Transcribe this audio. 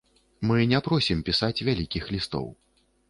Мы не просім пісаць вялікіх лістоў.